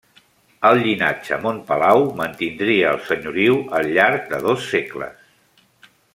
El llinatge Montpalau mantindria el senyoriu al llarg de dos segles.